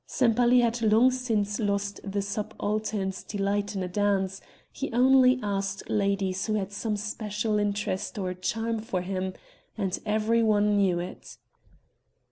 Sempaly had long since lost the subaltern's delight in a dance; he only asked ladies who had some special interest or charm for him, and every one knew it.